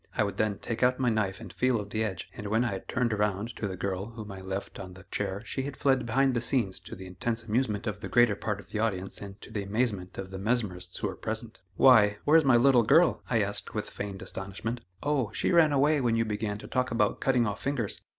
I would then take out my knife and feel of the edge, and when I turned around to the girl whom I left on the chair she had fled behind the scenes to the intense amusement of the greater part of the audience and to the amazement of the mesmerists who were present. "Why! where's my little girl?" I asked with feigned astonishment. "Oh! she ran away when you began to talk about cutting off fingers."